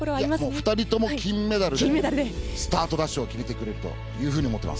２人とも金メダルでスタートダッシュを決めてくれると思っています。